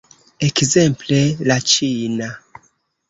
Ekzemple, la ĉina.